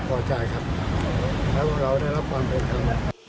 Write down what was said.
และว่าเราได้รับความเป็นคำ